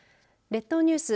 列島ニュース